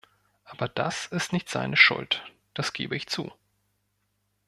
Aber das ist nicht seine Schuld, das gebe ich zu.